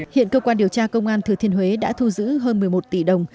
hiện cơ quan điều tra công an thừa thiên huế đã thu giữ hơn một mươi một tỷ đồng